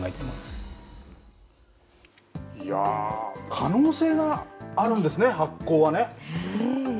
可能性があるんですね、発酵はね。